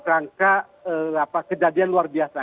rangka kejadian luar biasa